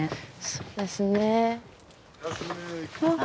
そうですね。